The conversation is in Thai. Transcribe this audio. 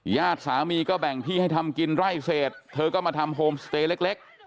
ญาติสามีก็แบ่งที่ให้ทำกินไร่เสร็จเธอก็มาทำโฮมสเตย์เล็ก